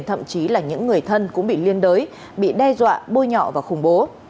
thậm chí là những người thân cũng bị liên đới bị đe dọa bôi nhọ và khủng bố